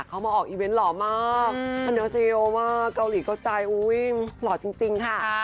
เขามาออกอิเวนต์หล่อมากและเชียวมากเกาหลี่งเขาใจหลอดจริงค่ะ